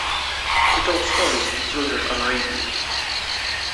He told stories to children on radio.